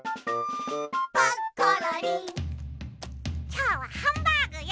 きょうはハンバーグよ。